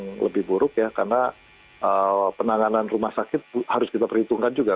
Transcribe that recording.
yang lebih buruk ya karena penanganan rumah sakit harus kita perhitungkan juga